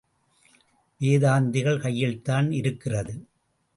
வேதாந்திகள் கையில்தான் இருக்கிறது.